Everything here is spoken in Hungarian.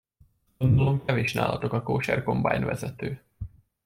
Gondolom, kevés nálatok a kóser kombájnvezető.